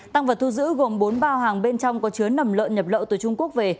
tăng vật thu giữ gồm bốn bao hàng bên trong có chứa nầm lợn nhập lậu từ trung quốc về